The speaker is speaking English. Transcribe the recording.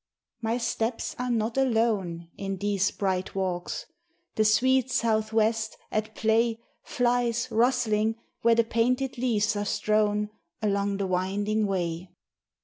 My steps are not alone In these bright walks; the sweet southwest, at play, Flies, rustling, where the painted leaves are strown Along the winding way.